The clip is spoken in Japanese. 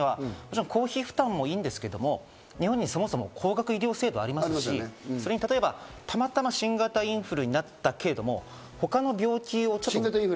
５類にするかですけど、個人的には公費負担もいいんですけど、日本にそもそも高額医療制度がありますし、たまたま新型インフルになったけれども、他の病気を。